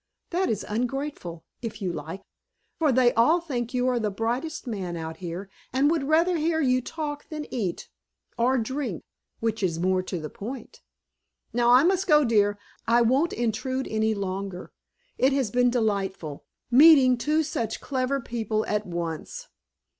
That is ungrateful, if you like! for they all think you are the brightest man out here, and would rather hear you talk than eat or drink, which is more to the point. Now, I must go, dear. I won't intrude any longer. It has been delightful, meeting two such clever people at once.